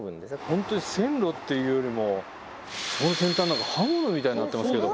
本当に線路っていうよりもこの先端なんか刃物みたいになってますけど。